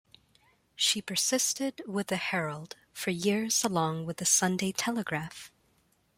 She persisted with the "Herald" for years along with the "Sunday Telegraph".